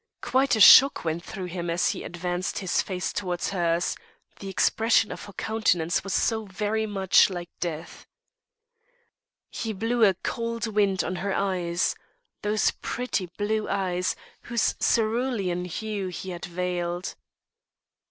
Quite a shock went through him as he advanced his face towards hers, the expression of her countenance was so very much like death. He blew a "cold wind" on her eyes those pretty blue eyes, whose cerulean hue he had veiled.